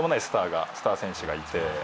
スター選手がいて。